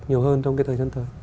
nhiều hơn trong cái thời gian tới